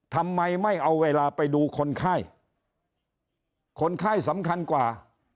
ทำไมไม่เอาเวลาไปดูคนไข้คนไข้สำคัญกว่า